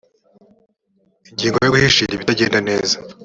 ingingo ya guhishira ibitagenda neza